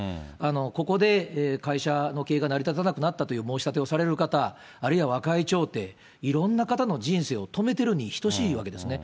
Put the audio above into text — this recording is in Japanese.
ここで会社の経営が成り立たなくなったと申し立てをされる方、あるいは和解調停、いろんな方の人生を止めているに等しいわけですね。